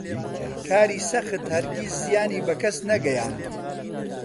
کاری سەخت هەرگیز زیانی بە کەس نەگەیاند.